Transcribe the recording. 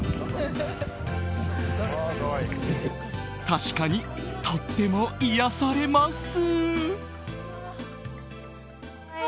確かに、とっても癒やされます。